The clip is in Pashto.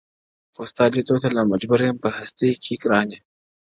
خو ستا ليدوته لا مجبور يم په هستۍ كي گرانـي -